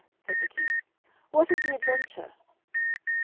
said the King; "what is the adventure?"